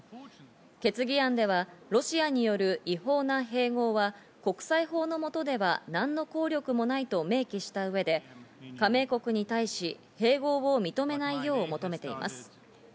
決議案ではロシアによる違法な併合は国際法の下では何の効力もないと明記した上で、加盟国に対し、併合を認めないよう求めています。